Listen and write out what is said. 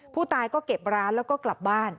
ผู้ตายก็เก็บร้านแล้วก็กลับบ้าน